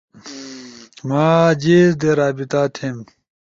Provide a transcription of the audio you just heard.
ما جیز دے رابطہ تھیم؟